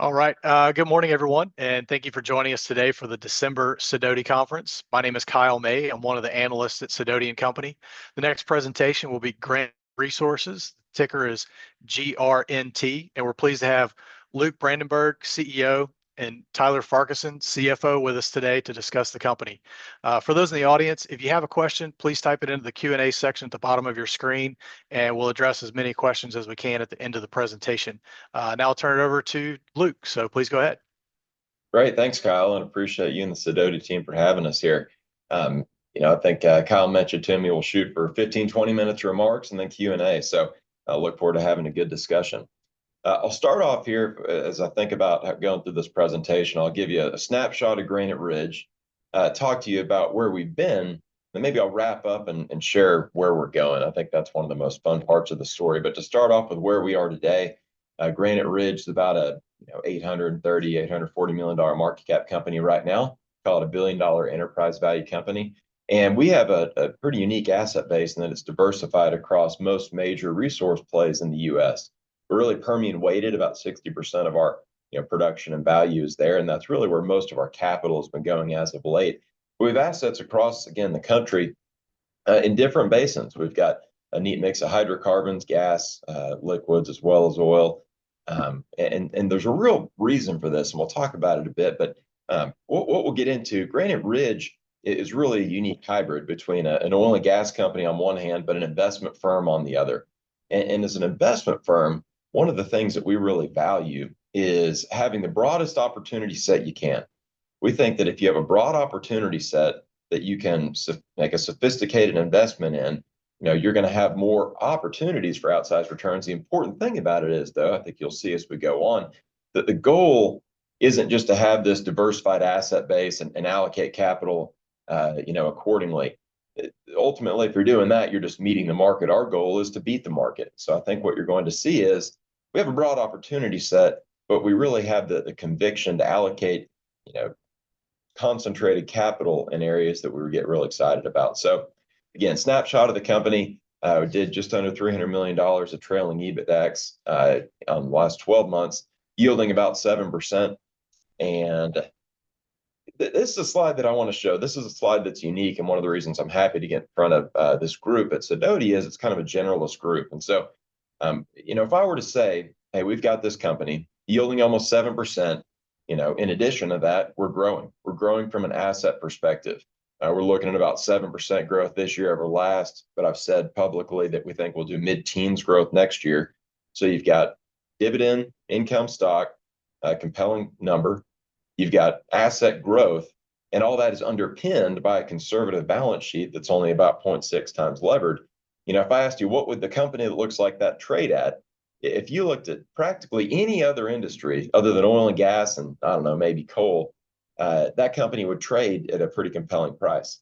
All right, good morning, everyone, and thank you for joining us today for the December Sidoti Conference. My name is Kyle May. I'm one of the analysts at Sidoti & Company. The next presentation will be Granite Ridge Resources. The ticker is GRNT, and we're pleased to have Luke Brandenberg, CEO, and Tyler Farquharson, CFO, with us today to discuss the company. For those in the audience, if you have a question, please type it into the Q&A section at the bottom of your screen, and we'll address as many questions as we can at the end of the presentation. Now I'll turn it over to Luke, so please go ahead. Great. Thanks, Kyle, and appreciate you and the Sidoti team for having us here. You know, I think Kyle mentioned to me we'll shoot for 15-20 minutes remarks and then Q&A, so I look forward to having a good discussion. I'll start off here. As I think about going through this presentation, I'll give you a snapshot of Granite Ridge, talk to you about where we've been, and maybe I'll wrap up and share where we're going. I think that's one of the most fun parts of the story. But to start off with where we are today, Granite Ridge is about an $830-840 million market cap company right now. Call it a billion-dollar enterprise value company, and we have a pretty unique asset base, and it's diversified across most major resource plays in the U.S. We're really Permian weighted. About 60% of our production and value is there, and that's really where most of our capital has been going as of late. We have assets across, again, the country in different basins. We've got a neat mix of hydrocarbons, gas, liquids, as well as oil, and there's a real reason for this, and we'll talk about it a bit, but what we'll get into, Granite Ridge is really a unique hybrid between an oil and gas company on one hand, but an investment firm on the other, and as an investment firm, one of the things that we really value is having the broadest opportunity set you can. We think that if you have a broad opportunity set that you can make a sophisticated investment in, you're going to have more opportunities for outsized returns. The important thing about it is, though, I think you'll see as we go on, that the goal isn't just to have this diversified asset base and allocate capital, you know, accordingly. Ultimately, if you're doing that, you're just meeting the market. Our goal is to beat the market, so I think what you're going to see is we have a broad opportunity set, but we really have the conviction to allocate concentrated capital in areas that we would get real excited about, so again, snapshot of the company. We did just under $300 million of trailing EBITDA on the last 12 months, yielding about 7%, and this is a slide that I want to show. This is a slide that's unique, and one of the reasons I'm happy to get in front of this group at Sidoti is it's kind of a generalist group. You know, if I were to say, hey, we've got this company yielding almost 7%. You know, in addition to that, we're growing. We're growing from an asset perspective. We're looking at about 7% growth this year over last, but I've said publicly that we think we'll do mid-teens growth next year. You've got dividend, income, stock, a compelling number. You've got asset growth, and all that is underpinned by a conservative balance sheet that's only about 0.6 times levered. You know, if I asked you what would the company that looks like that trade at, if you looked at practically any other industry other than oil and gas and, I don't know, maybe coal, that company would trade at a pretty compelling price.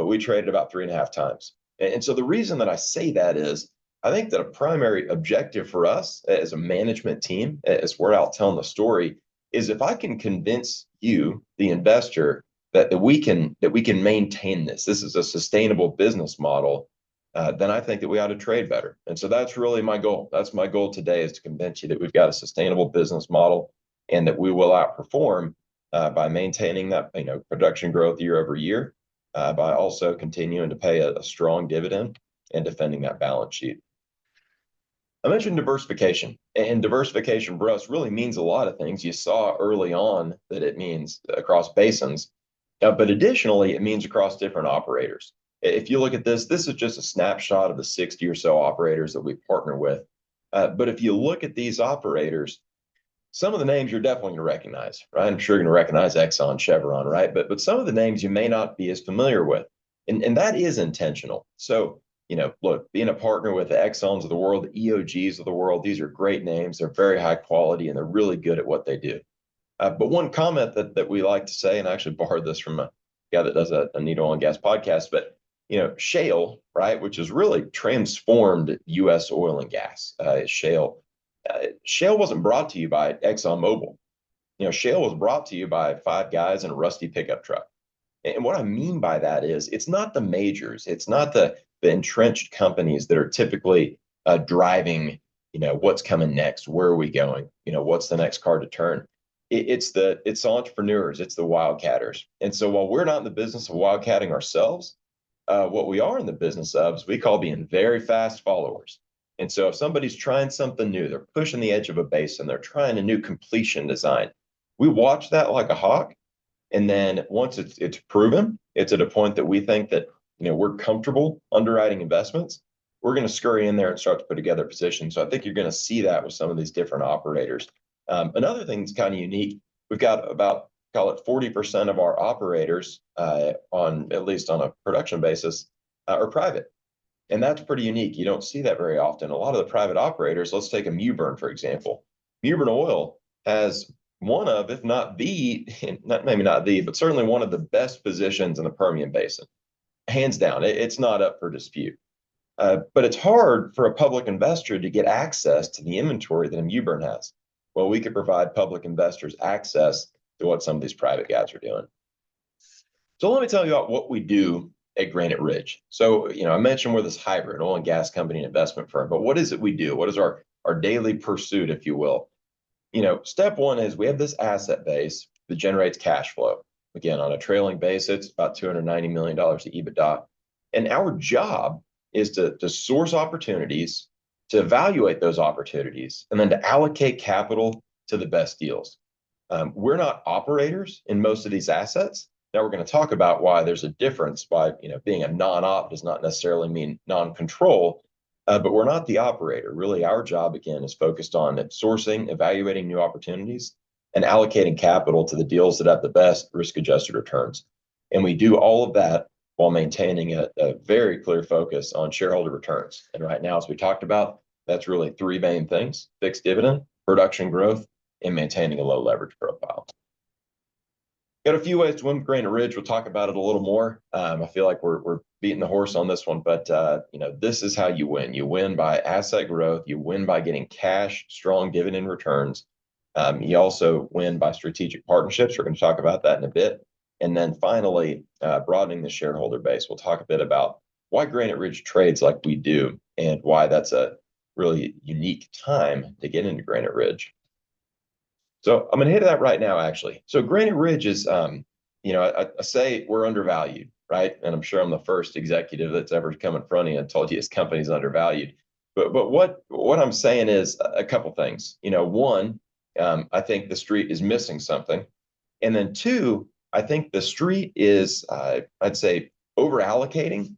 We trade at about three and a half times. And so the reason that I say that is, I think that a primary objective for us as a management team, as we're out telling the story, is if I can convince you, the investor, that we can maintain this. This is a sustainable business model. Then I think that we ought to trade better. And so that's really my goal. That's my goal today is to convince you that we've got a sustainable business model and that we will outperform by maintaining that production growth year over year by also continuing to pay a strong dividend and defending that balance sheet. I mentioned diversification, and diversification for us really means a lot of things. You saw early on that it means across basins, but additionally, it means across different operators. If you look at this, this is just a snapshot of the 60 or so operators that we partner with. But if you look at these operators, some of the names you're definitely going to recognize, right? I'm sure you're going to recognize Exxon, Chevron, right? But some of the names you may not be as familiar with, and that is intentional. So, you know, look, being a partner with the Exxons of the world, the EOGs of the world, these are great names. They're very high quality, and they're really good at what they do. But one comment that we like to say, and I actually borrowed this from a guy that does a needle on gas podcast, but, you know, Shale, right, which has really transformed U.S. oil and gas, Shale. Shale wasn't brought to you by ExxonMobil. You know, shale was brought to you by five guys in a rusty pickup truck, and what I mean by that is it's not the majors. It's not the entrenched companies that are typically driving, you know, what's coming next, where are we going, you know, what's the next car to turn. It's the entrepreneurs. It's the wildcatters, and so while we're not in the business of wildcatting ourselves, what we are in the business of is we call being very fast followers. And so if somebody's trying something new, they're pushing the edge of a basin, they're trying a new completion design. We watch that like a hawk, and then once it's proven, it's at a point that we think that, you know, we're comfortable underwriting investments, we're going to scurry in there and start to put together positions. I think you're going to see that with some of these different operators. Another thing that's kind of unique. We've got about, call it 40% of our operators, at least on a production basis, are private. And that's pretty unique. You don't see that very often. A lot of the private operators, let's take a Mewbourne, for example. Mewbourne Oil has one of, if not the best positions in the Permian Basin. Hands down, it's not up for dispute. But it's hard for a public investor to get access to the inventory that a Mewbourne has. Well, we could provide public investors access to what some of these private guys are doing. So let me tell you about what we do at Granite Ridge. So, you know, I mentioned we're this hybrid oil and gas company and investment firm, but what is it we do? What is our daily pursuit, if you will? You know, step one is we have this asset base that generates cash flow. Again, on a trailing basis, about $290 million to EBITDA. And our job is to source opportunities, to evaluate those opportunities, and then to allocate capital to the best deals. We're not operators in most of these assets. Now we're going to talk about why there's a difference by, you know, being a non-op does not necessarily mean non-control, but we're not the operator. Really, our job, again, is focused on sourcing, evaluating new opportunities, and allocating capital to the deals that have the best risk-adjusted returns. And we do all of that while maintaining a very clear focus on shareholder returns. Right now, as we talked about, that's really three main things: fixed dividend, production growth, and maintaining a low leverage profile. Got a few ways to win Granite Ridge. We'll talk about it a little more. I feel like we're beating the horse on this one, but, you know, this is how you win. You win by asset growth. You win by getting cash, strong dividend returns. You also win by strategic partnerships. We're going to talk about that in a bit, and then finally, broadening the shareholder base. We'll talk a bit about why Granite Ridge trades like we do and why that's a really unique time to get into Granite Ridge. I'm going to hit that right now, actually. Granite Ridge is, you know, I say we're undervalued, right? And I'm sure I'm the first executive that's ever come in front of you and told you this company is undervalued. But what I'm saying is a couple of things. You know, one, I think the street is missing something. And then two, I think the street is, I'd say, overallocating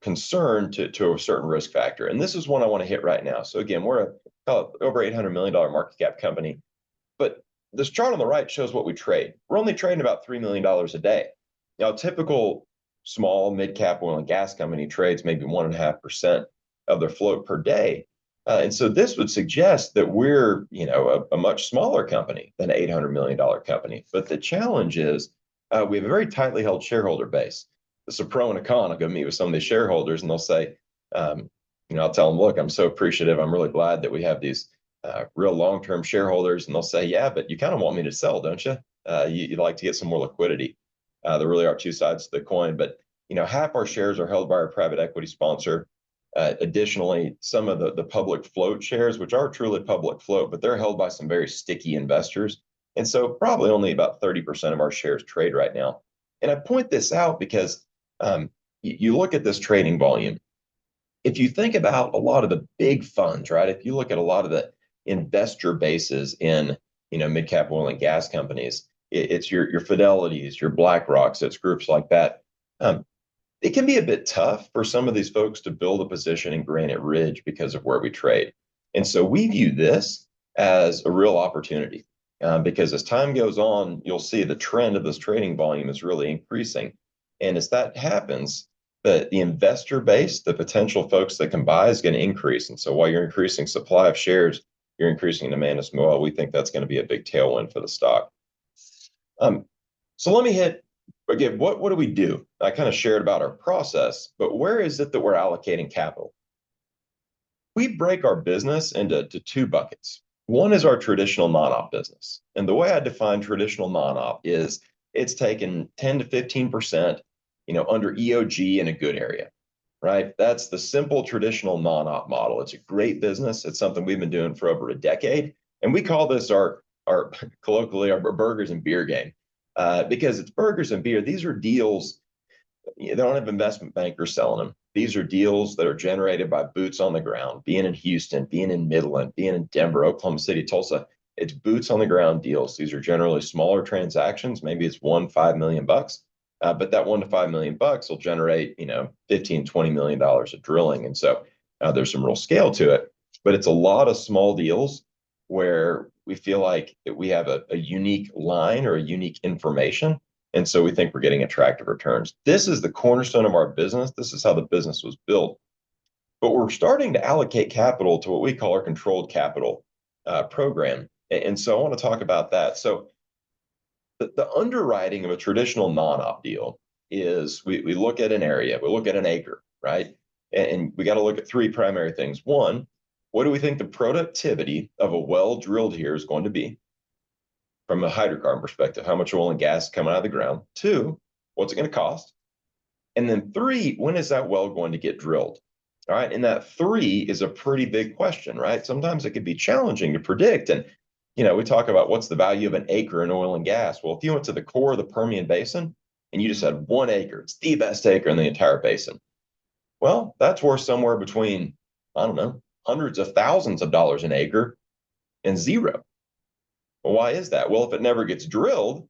concern to a certain risk factor. And this is one I want to hit right now. So again, we're a over $800 million market cap company. But this chart on the right shows what we trade. We're only trading about $3 million a day. Now, a typical small mid-cap oil and gas company trades maybe 1.5% of their float per day. And so this would suggest that we're, you know, a much smaller company than an $800 million company. But the challenge is we have a very tightly held shareholder base. the SidotiCon, I'm going to meet with some of these shareholders, and they'll say, you know, I'll tell them, look, I'm so appreciative. I'm really glad that we have these real long-term shareholders. And they'll say, yeah, but you kind of want me to sell, don't you? You'd like to get some more liquidity. There really are two sides to the coin. But, you know, half our shares are held by our private equity sponsor. Additionally, some of the public float shares, which are truly public float, but they're held by some very sticky investors. And so probably only about 30% of our shares trade right now. And I point this out because you look at this trading volume. If you think about a lot of the big funds, right, if you look at a lot of the investor bases in, you know, mid-cap oil and gas companies, it's your Fidelities, your BlackRocks, it's groups like that. It can be a bit tough for some of these folks to build a position in Granite Ridge because of where we trade. And so we view this as a real opportunity because as time goes on, you'll see the trend of this trading volume is really increasing. And as that happens, the investor base, the potential folks that can buy, is going to increase. And so while you're increasing supply of shares, you're increasing demand too small. We think that's going to be a big tailwind for the stock. So let me hit again, what do we do? I kind of shared about our process, but where is it that we're allocating capital? We break our business into two buckets. One is our traditional non-op business. And the way I define traditional non-op is it's taken 10%-15%, you know, under EOG in a good area, right? That's the simple traditional non-op model. It's a great business. It's something we've been doing for over a decade. And we call this our colloquially, our burgers and beer game because it's burgers and beer. These are deals. They don't have investment bankers selling them. These are deals that are generated by boots on the ground, being in Houston, being in Midland, being in Denver, Oklahoma City, Tulsa. It's boots on the ground deals. These are generally smaller transactions. Maybe it's $1-$5 million. But that $1-$5 million will generate, you know, $15-$20 million of drilling. And so there's some real scale to it. But it's a lot of small deals where we feel like we have a unique line or a unique information. And so we think we're getting attractive returns. This is the cornerstone of our business. This is how the business was built. But we're starting to allocate capital to what we call our controlled capital program. And so I want to talk about that. So the underwriting of a traditional non-op deal is we look at an area, we look at an acre, right? And we got to look at three primary things. One, what do we think the productivity of a well drilled here is going to be from a hydrocarbon perspective? How much oil and gas is coming out of the ground? Two, what's it going to cost? And then three, when is that well going to get drilled? All right. And that three is a pretty big question, right? Sometimes it could be challenging to predict. And, you know, we talk about what's the value of an acre in oil and gas. Well, if you went to the core of the Permian Basin and you just had one acre, it's the best acre in the entire basin. Well, that's worth somewhere between, I don't know, hundreds of thousands of dollars an acre and zero. Well, why is that? Well, if it never gets drilled,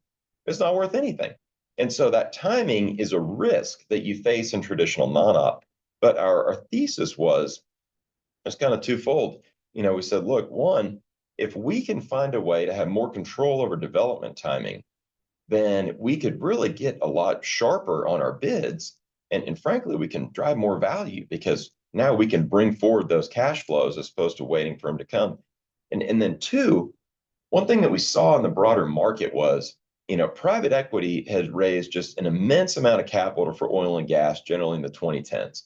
it's not worth anything. And so that timing is a risk that you face in traditional non-op. But our thesis was it's kind of twofold. You know, we said, look, one, if we can find a way to have more control over development timing, then we could really get a lot sharper on our bids, and frankly, we can drive more value because now we can bring forward those cash flows as opposed to waiting for them to come, and then two, one thing that we saw in the broader market was, you know, private equity has raised just an immense amount of capital for oil and gas, generally in the 2010s.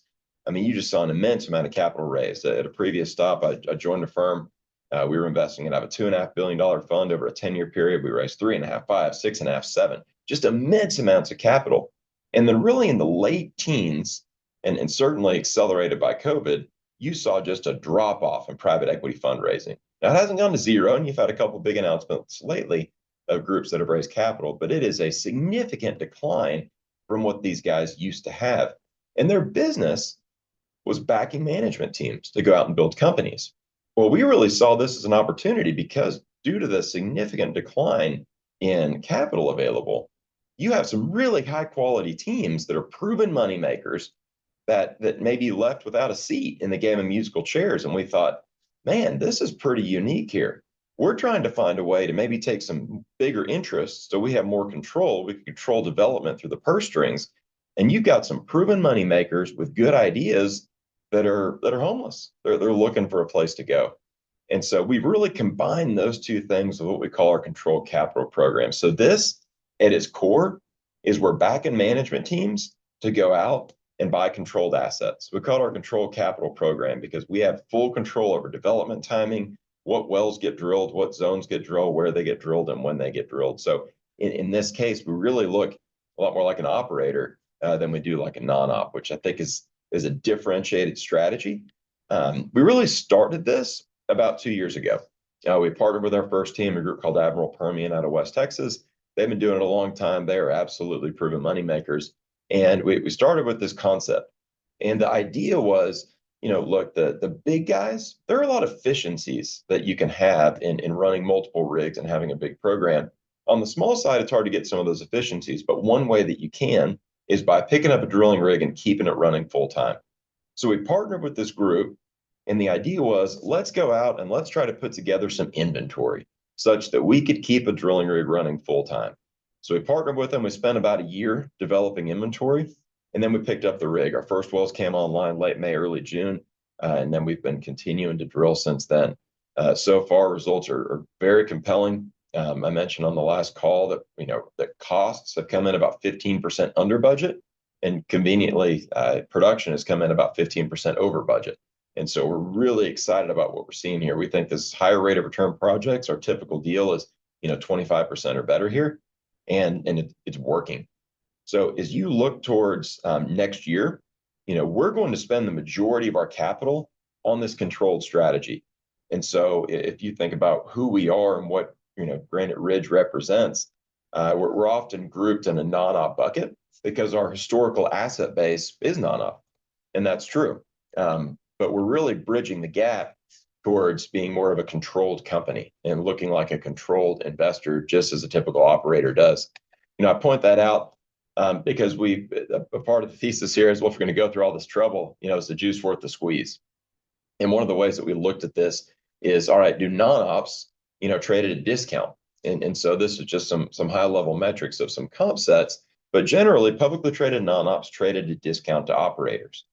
I mean, you just saw an immense amount of capital raised. At a previous stop, I joined a firm. We were investing in about a $2.5 billion fund over a 10-year period. We raised $3.5, $5, $6.5, $7, just immense amounts of capital. And then really in the late teens, and certainly accelerated by COVID, you saw just a drop off in private equity fundraising. Now, it hasn't gone to zero, and you've had a couple of big announcements lately of groups that have raised capital, but it is a significant decline from what these guys used to have. And their business was backing management teams to go out and build companies. Well, we really saw this as an opportunity because due to the significant decline in capital available, you have some really high-quality teams that are proven moneymakers that may be left without a seat in the game of musical chairs. And we thought, man, this is pretty unique here. We're trying to find a way to maybe take some bigger interests so we have more control. We can control development through the purse strings. You've got some proven moneymakers with good ideas that are homeless. They're looking for a place to go. We've really combined those two things with what we call our controlled capital program. This, at its core, is we're backing management teams to go out and buy controlled assets. We call it our controlled capital program because we have full control over development timing, what wells get drilled, what zones get drilled, where they get drilled, and when they get drilled. In this case, we really look a lot more like an operator than we do like a non-op, which I think is a differentiated strategy. We really started this about two years ago. We partnered with our first team, a group called Admiral Permian out of West Texas. They've been doing it a long time. They are absolutely proven moneymakers. We started with this concept. The idea was, you know, look, the big guys, there are a lot of efficiencies that you can have in running multiple rigs and having a big program. On the small side, it's hard to get some of those efficiencies, but one way that you can is by picking up a drilling rig and keeping it running full-time. We partnered with this group, and the idea was, let's go out and let's try to put together some inventory such that we could keep a drilling rig running full-time. We partnered with them. We spent about a year developing inventory, and then we picked up the rig. Our first wells came online late May, early June, and then we've been continuing to drill since then. So far, results are very compelling. I mentioned on the last call that, you know, the costs have come in about 15% under budget, and conveniently, production has come in about 15% over budget. And so we're really excited about what we're seeing here. We think this higher rate of return projects, our typical deal is, you know, 25% or better here, and it's working. So as you look towards next year, you know, we're going to spend the majority of our capital on this controlled strategy. And so if you think about who we are and what, you know, Granite Ridge represents, we're often grouped in a non-op bucket because our historical asset base is non-op. And that's true. But we're really bridging the gap towards being more of a controlled company and looking like a controlled investor, just as a typical operator does. You know, I point that out because a part of the thesis here is, well, if we're going to go through all this trouble, you know, is the juice worth the squeeze? And one of the ways that we looked at this is, all right, do non-ops, you know, trade at a discount? And so this is just some high-level metrics of some comp sets. But generally, publicly traded non-ops trade at a discount to operators.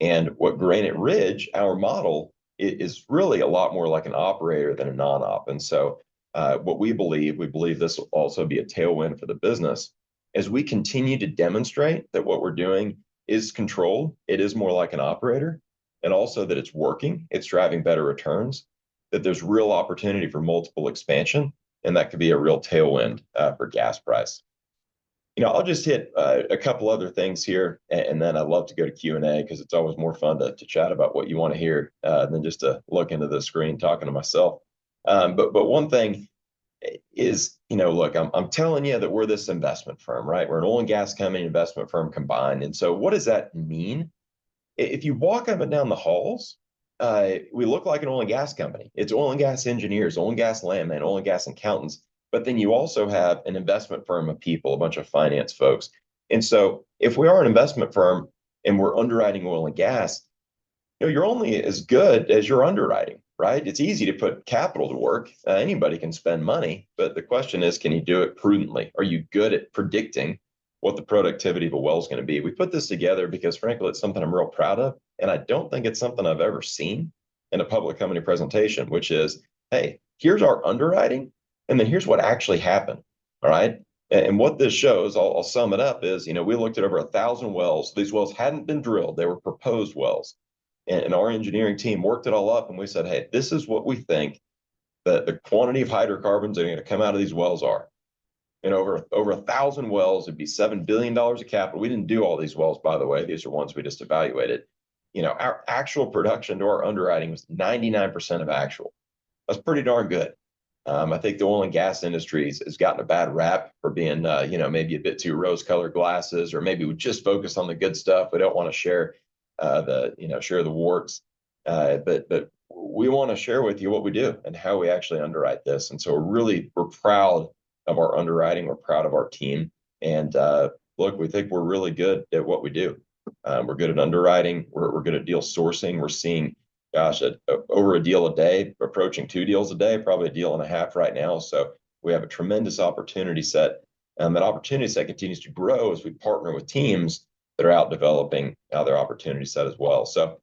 And what Granite Ridge, our model, is really a lot more like an operator than a non-op. And so what we believe, we believe this will also be a tailwind for the business, is we continue to demonstrate that what we're doing is controlled. It is more like an operator, and also that it's working. It's driving better returns, that there's real opportunity for multiple expansion, and that could be a real tailwind for gas price. You know, I'll just hit a couple of other things here, and then I'd love to go to Q&A because it's always more fun to chat about what you want to hear than just to look into the screen talking to myself. But one thing is, you know, look, I'm telling you that we're this investment firm, right? We're an oil and gas company investment firm combined. And so what does that mean? If you walk up and down the halls, we look like an oil and gas company. It's oil and gas engineers, oil and gas landmen, oil and gas accountants, but then you also have an investment firm of people, a bunch of finance folks. And so if we are an investment firm and we're underwriting oil and gas, you know, you're only as good as your underwriting, right? It's easy to put capital to work. Anybody can spend money. But the question is, can you do it prudently? Are you good at predicting what the productivity of a well is going to be? We put this together because, frankly, it's something I'm real proud of, and I don't think it's something I've ever seen in a public company presentation, which is, hey, here's our underwriting, and then here's what actually happened, all right? And what this shows, I'll sum it up is, you know, we looked at over a thousand wells. These wells hadn't been drilled. They were proposed wells. Our engineering team worked it all up, and we said, hey, this is what we think the quantity of hydrocarbons that are going to come out of these wells are. Over a thousand wells, it'd be $7 billion of capital. We didn't do all these wells, by the way. These are ones we just evaluated. You know, our actual production to our underwriting was 99% of actual. That's pretty darn good. I think the oil and gas industry has gotten a bad rap for being, you know, maybe a bit too rose-colored glasses, or maybe we just focus on the good stuff. We don't want to share the, you know, warts. But we want to share with you what we do and how we actually underwrite this. So really, we're proud of our underwriting. We're proud of our team. And look, we think we're really good at what we do. We're good at underwriting. We're good at deal sourcing. We're seeing, gosh, over a deal a day, approaching two deals a day, probably a deal and a half right now. So we have a tremendous opportunity set. And that opportunity set continues to grow as we partner with teams that are out developing their opportunity set as well. So,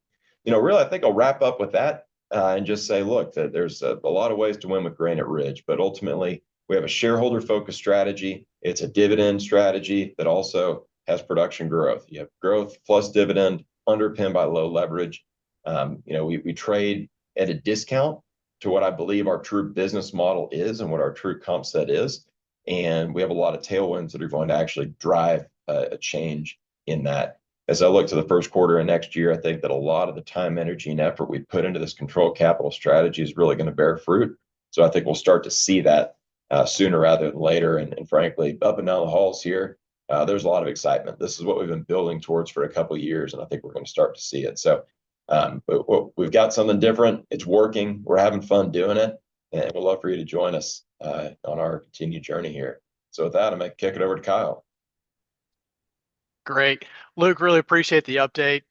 you know, really, I think I'll wrap up with that and just say, look, there's a lot of ways to win with Granite Ridge, but ultimately, we have a shareholder-focused strategy. It's a dividend strategy that also has production growth. You have growth plus dividend underpinned by low leverage. You know, we trade at a discount to what I believe our true business model is and what our true comp set is. And we have a lot of tailwinds that are going to actually drive a change in that. As I look to the Q1 of next year, I think that a lot of the time, energy, and effort we've put into this controlled capital strategy is really going to bear fruit. So I think we'll start to see that sooner rather than later. And frankly, up and down the halls here, there's a lot of excitement. This is what we've been building towards for a couple of years, and I think we're going to start to see it. So we've got something different. It's working. We're having fun doing it. And we'd love for you to join us on our continued journey here. So with that, I'm going to kick it over to Kyle. Great. Luke, really appreciate the update.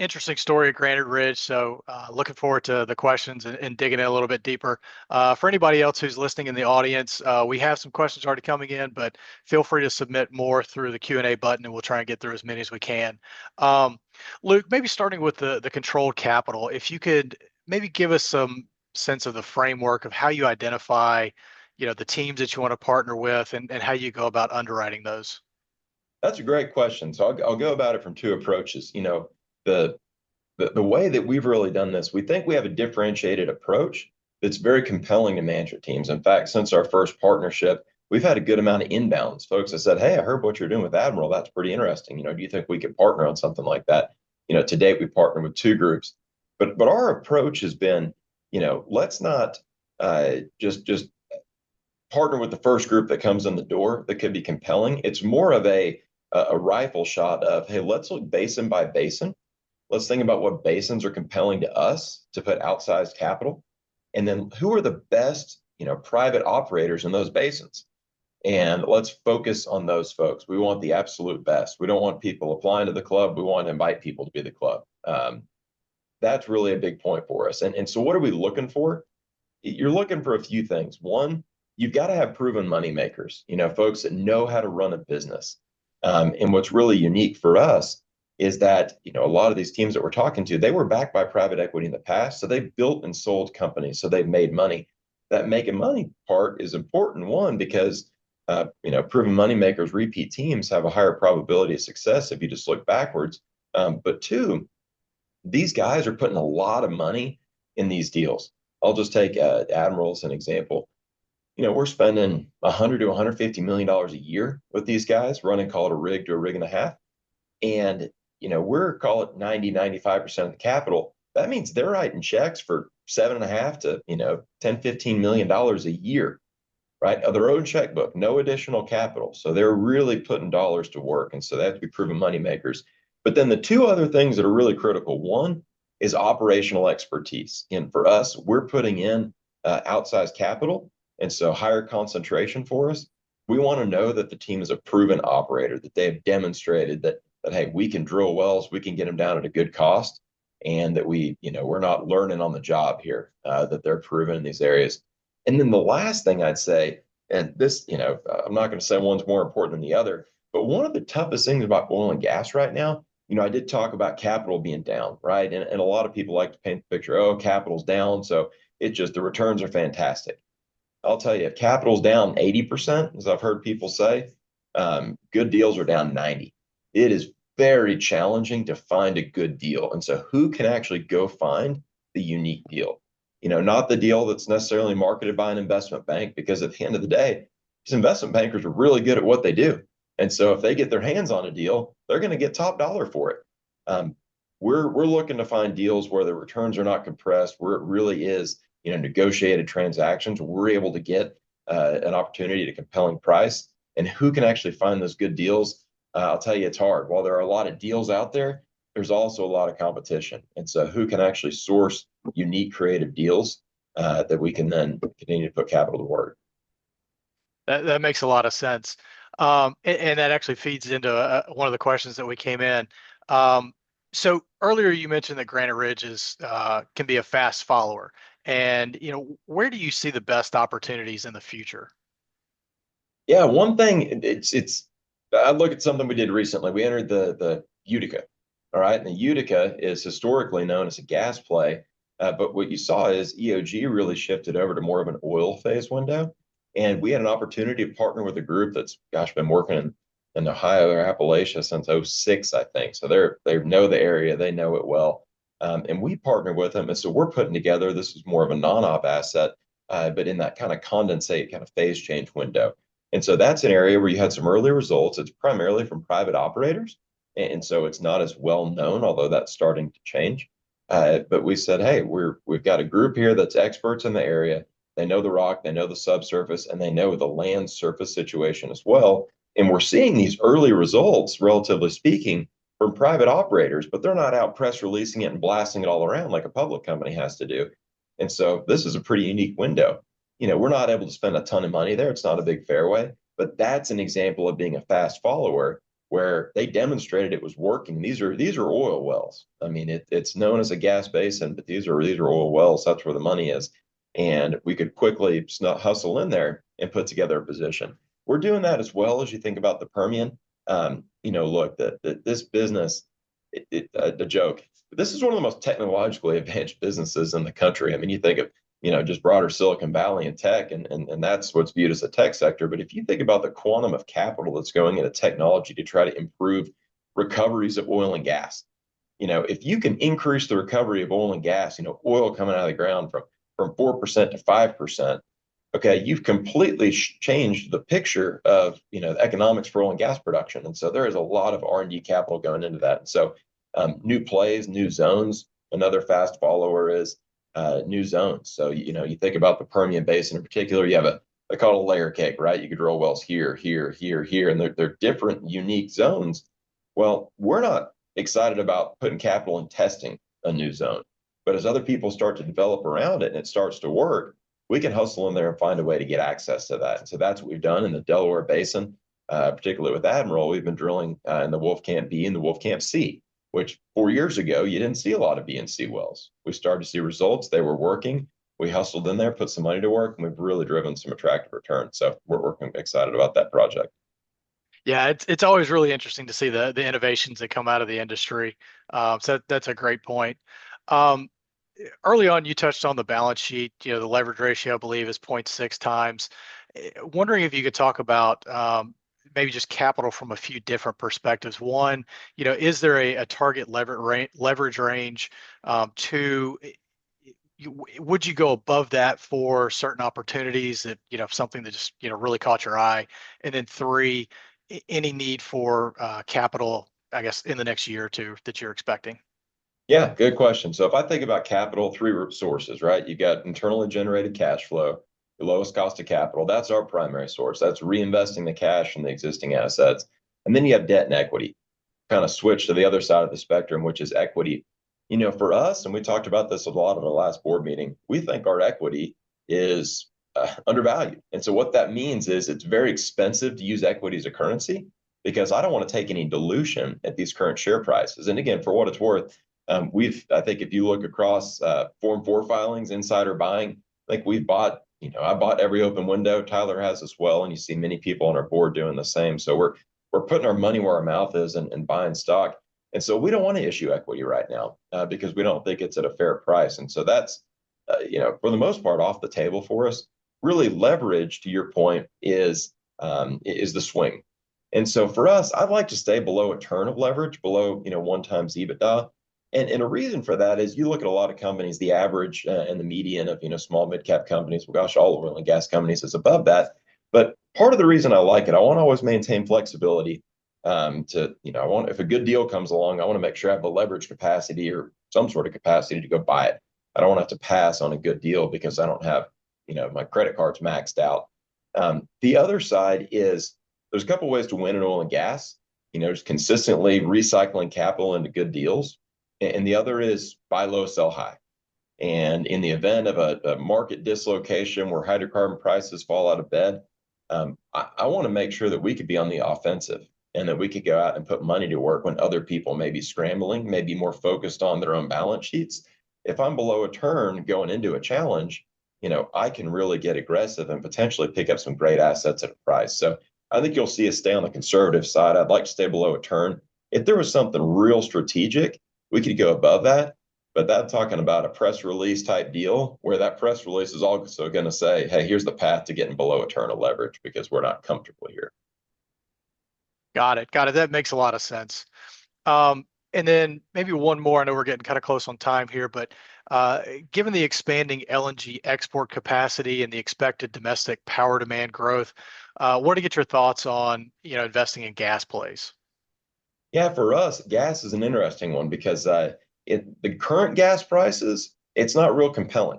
Interesting story at Granite Ridge. So looking forward to the questions and digging it a little bit deeper. For anybody else who's listening in the audience, we have some questions already coming in, but feel free to submit more through the Q&A button, and we'll try and get through as many as we can. Luke, maybe starting with the controlled capital, if you could maybe give us some sense of the framework of how you identify, you know, the teams that you want to partner with and how you go about underwriting those. That's a great question. So I'll go about it from two approaches. You know, the way that we've really done this, we think we have a differentiated approach that's very compelling to manager teams. In fact, since our first partnership, we've had a good amount of inbounds. Folks have said, "Hey, I heard what you're doing with Admiral. That's pretty interesting. You know, do you think we could partner on something like that?" You know, to date, we've partnered with two groups. But our approach has been, you know, let's not just partner with the first group that comes in the door that could be compelling. It's more of a rifle shot of, "Hey, let's look basin by basin. Let's think about what basins are compelling to us to put outsized capital. And then who are the best, you know, private operators in those basins? And let's focus on those folks. We want the absolute best. We don't want people applying to the club. We want to invite people to be the club." That's really a big point for us. And so what are we looking for? You're looking for a few things. One, you've got to have proven moneymakers, you know, folks that know how to run a business. And what's really unique for us is that, you know, a lot of these teams that we're talking to, they were backed by private equity in the past. So they built and sold companies. So they've made money. That making money part is important, one, because, you know, proven moneymakers, repeat teams have a higher probability of success if you just look backwards. But two, these guys are putting a lot of money in these deals. I'll just take Admiral as an example. You know, we're spending $100-$150 million a year with these guys running, call it, one rig to a rig and a half. And, you know, we're, call it, 90%-95% of the capital. That means they're writing checks for $7.5 to, you know, $10-$15 million a year, right? Of their own checkbook, no additional capital. So they're really putting dollars to work. And so they have to be proven moneymakers. But then the two other things that are really critical, one is operational expertise. And for us, we're putting in outsized capital. And so higher concentration for us. We want to know that the team is a proven operator, that they have demonstrated that, hey, we can drill wells, we can get them down at a good cost, and that we, you know, we're not learning on the job here, that they're proven in these areas. And then the last thing I'd say, and this, you know, I'm not going to say one's more important than the other, but one of the toughest things about oil and gas right now, you know, I did talk about capital being down, right? And a lot of people like to paint the picture, oh, capital's down, so it's just the returns are fantastic. I'll tell you, if capital's down 80%, as I've heard people say, good deals are down 90%. It is very challenging to find a good deal. And so who can actually go find the unique deal? You know, not the deal that's necessarily marketed by an investment bank, because at the end of the day, these investment bankers are really good at what they do. And so if they get their hands on a deal, they're going to get top dollar for it. We're looking to find deals where the returns are not compressed, where it really is, you know, negotiated transactions, where we're able to get an opportunity at a compelling price. And who can actually find those good deals? I'll tell you, it's hard. While there are a lot of deals out there, there's also a lot of competition. And so who can actually source unique, creative deals that we can then continue to put capital to work? That makes a lot of sense. And that actually feeds into one of the questions that we came in. So earlier, you mentioned that Granite Ridge can be a fast follower. And, you know, where do you see the best opportunities in the future? Yeah, one thing, it's I look at something we did recently. We entered the Utica, all right? And the Utica is historically known as a gas play. But what you saw is EOG really shifted over to more of an oil phase window. And we had an opportunity to partner with a group that's, gosh, been working in Ohio or Appalachia since 2006, I think. So they know the area. They know it well. And we partnered with them. And so we're putting together this. This is more of a non-op asset, but in that kind of condensate kind of phase change window. And so that's an area where you had some early results. It's primarily from private operators. And so it's not as well known, although that's starting to change. But we said, hey, we've got a group here that's experts in the area. They know the rock, they know the subsurface, and they know the land surface situation as well. And we're seeing these early results, relatively speaking, from private operators, but they're not out press releasing it and blasting it all around like a public company has to do. And so this is a pretty unique window. You know, we're not able to spend a ton of money there. It's not a big fairway. But that's an example of being a fast follower where they demonstrated it was working. These are oil wells. I mean, it's known as a gas basin, but these are oil wells. That's where the money is. And we could quickly hustle in there and put together a position. We're doing that as well as you think about the Permian. You know, look, this business, a joke, but this is one of the most technologically advanced businesses in the country. I mean, you think of, you know, just broader Silicon Valley and tech, and that's what's viewed as a tech sector. But if you think about the quantum of capital that's going into technology to try to improve recoveries of oil and gas, you know, if you can increase the recovery of oil and gas, you know, oil coming out of the ground from 4%-5%, okay, you've completely changed the picture of, you know, the economics for oil and gas production. And so there is a lot of R&D capital going into that. And so new plays, new zones. Another fast follower is new zones. So, you know, you think about the Permian Basin in particular, you have a, I call it a layer cake, right? You could drill wells here, here, here, here, and they're different unique zones. Well, we're not excited about putting capital and testing a new zone. But as other people start to develop around it and it starts to work, we can hustle in there and find a way to get access to that. And so that's what we've done in the Delaware Basin, particularly with Admiral. We've been drilling in the Wolfcamp B and the Wolfcamp C, which four years ago, you didn't see a lot of B and C wells. We started to see results. They were working. We hustled in there, put some money to work, and we've really driven some attractive returns. So we're excited about that project. Yeah, it's always really interesting to see the innovations that come out of the industry. So that's a great point. Early on, you touched on the balance sheet, you know, the leverage ratio, I believe, is 0.6 times. Wondering if you could talk about maybe just capital from a few different perspectives. One, you know, is there a target leverage range? Two, would you go above that for certain opportunities that, you know, something that just, you know, really caught your eye? And then three, any need for capital, I guess, in the next year or two that you're expecting? Yeah, good question. So if I think about capital, three sources, right? You've got internally generated cash flow, the lowest cost of capital. That's our primary source. That's reinvesting the cash and the existing assets. And then you have debt and equity, kind of switch to the other side of the spectrum, which is equity. You know, for us, and we talked about this a lot in our last board meeting, we think our equity is undervalued. And so what that means is it's very expensive to use equity as a currency because I don't want to take any dilution at these current share prices. And again, for what it's worth, we've, I think if you look across Form 4 filings, insider buying, I think we've bought, you know, I bought every open window. Tyler has as well. And you see many people on our board doing the same. So we're putting our money where our mouth is and buying stock. And so we don't want to issue equity right now because we don't think it's at a fair price. And so that's, you know, for the most part, off the table for us. Really leverage, to your point, is the swing. And so for us, I'd like to stay below a turn of leverage, below, you know, one times EBITDA. And a reason for that is you look at a lot of companies, the average and the median of, you know, small mid-cap companies. Well, gosh, all oil and gas companies is above that. But part of the reason I like it, I want to always maintain flexibility to, you know, I want, if a good deal comes along, I want to make sure I have a leverage capacity or some sort of capacity to go buy it. I don't want to have to pass on a good deal because I don't have, you know, my credit cards maxed out. The other side is there's a couple of ways to win in oil and gas, you know, just consistently recycling capital into good deals. And the other is buy low, sell high. And in the event of a market dislocation where hydrocarbon prices fall out of bed, I want to make sure that we could be on the offensive and that we could go out and put money to work when other people may be scrambling, maybe more focused on their own balance sheets. If I'm below a turn going into a challenge, you know, I can really get aggressive and potentially pick up some great assets at a price, so I think you'll see us stay on the conservative side. I'd like to stay below a turn. If there was something real strategic, we could go above that, but that's talking about a press release type deal where that press release is also going to say, hey, here's the path to getting below a turn of leverage because we're not comfortable here. Got it. Got it. That makes a lot of sense. And then maybe one more. I know we're getting kind of close on time here, but given the expanding LNG export capacity and the expected domestic power demand growth, I want to get your thoughts on, you know, investing in gas plays. Yeah, for us, gas is an interesting one because the current gas prices, it's not real compelling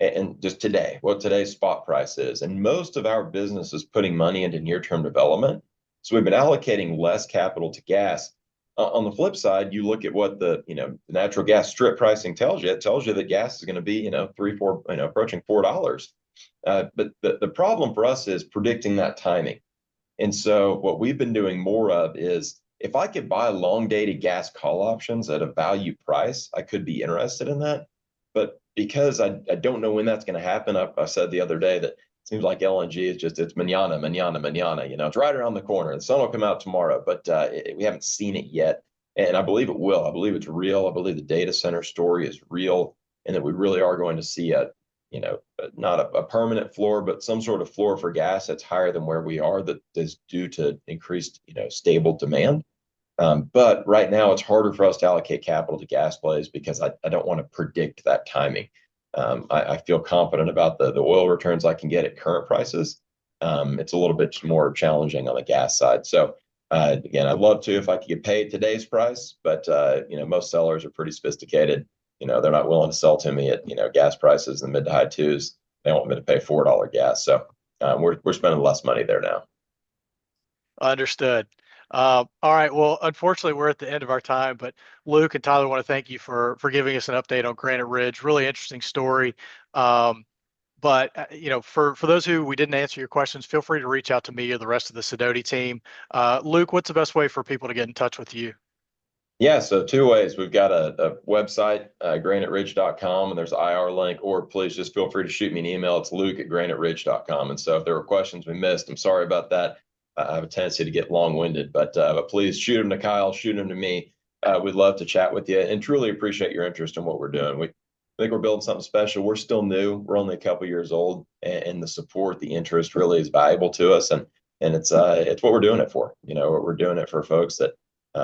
and just today, what today's spot price is. And most of our business is putting money into near-term development. So we've been allocating less capital to gas. On the flip side, you look at what the, you know, the natural gas strip pricing tells you. It tells you that gas is going to be, you know, three, four, you know, approaching $4. But the problem for us is predicting that timing. And so what we've been doing more of is if I could buy long-dated gas call options at a value price, I could be interested in that. But because I don't know when that's going to happen, I said the other day that it seems like LNG is just, it's Mañana, Mañana, Mañana, you know, it's right around the corner. The sun will come out tomorrow, but we haven't seen it yet. And I believe it will. I believe it's real. I believe the data center story is real and that we really are going to see a, you know, not a permanent floor, but some sort of floor for gas that's higher than where we are that is due to increased, you know, stable demand. But right now, it's harder for us to allocate capital to gas plays because I don't want to predict that timing. I feel confident about the oil returns I can get at current prices. It's a little bit more challenging on the gas side. So again, I'd love to if I could get paid today's price, but, you know, most sellers are pretty sophisticated. You know, they're not willing to sell to me at, you know, gas prices in the mid to high twos. They want me to pay $4 gas. So we're spending less money there now. Understood. All right. Well, unfortunately, we're at the end of our time, but Luke and Tyler want to thank you for giving us an update on Granite Ridge. Really interesting story. But, you know, for those who we didn't answer your questions, feel free to reach out to me or the rest of the Sidoti team. Luke, what's the best way for people to get in touch with you? Yeah, so two ways. We've got a website, graniteridge.com, and there's an IR link, or please just feel free to shoot me an email. It's luke@graniteridge.com, and so if there are questions we missed, I'm sorry about that. I have a tendency to get long-winded, but please shoot them to Kyle, shoot them to me. We'd love to chat with you and truly appreciate your interest in what we're doing. We think we're building something special. We're still new. We're only a couple of years old, and the support, the interest really is valuable to us, and it's what we're doing it for, you know, we're doing it for folks that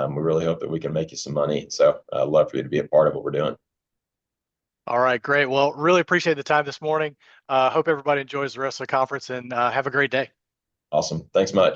we really hope that we can make you some money, so I'd love for you to be a part of what we're doing. All right, great, well, really appreciate the time this morning. Hope everybody enjoys the rest of the conference and have a great day. Awesome. Thanks much.